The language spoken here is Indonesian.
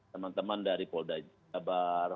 teman teman dari polda jabar